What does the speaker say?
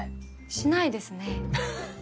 しないですね。